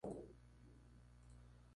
Integra restaurantes y cafeterías.